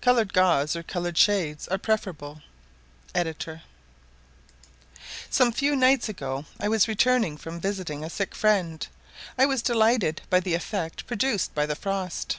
Coloured gauze or coloured shades are preferable. Ed.] Some few nights ago as I was returning from visiting a sick friend, I was delighted by the effect produced by the frost.